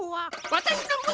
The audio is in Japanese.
わたしのむ